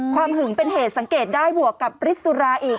หึงเป็นเหตุสังเกตได้บวกกับฤทธิสุราอีก